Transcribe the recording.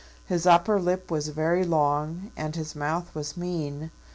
His upper lip was very long, and his mouth was mean.